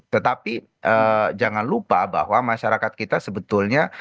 tetapi jangan lupa bahwa masyarakat kita sebetulnya